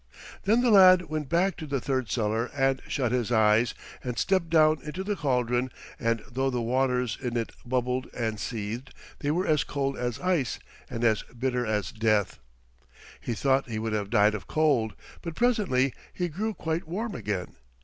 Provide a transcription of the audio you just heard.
Then the lad went back to the third cellar and shut his eyes and stepped down into the caldron, and though the waters in it bubbled and seethed they were as cold as ice and as bitter as death. He thought he would have died of cold, but presently he grew quite warm again.